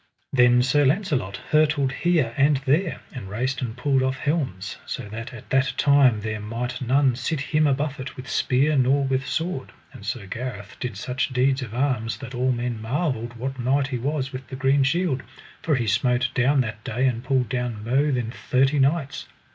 Then Sir Launcelot hurtled here and there, and raced and pulled off helms, so that at that time there might none sit him a buffet with spear nor with sword; and Sir Gareth did such deeds of arms that all men marvelled what knight he was with the green shield, for he smote down that day and pulled down mo than thirty knights.